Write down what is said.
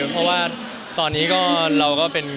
เพราะว่าตอนนี้ก็เราก็เป็น